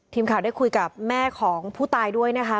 ทีมข่าวได้คุยกับแม่ของผู้ตายด้วยนะคะ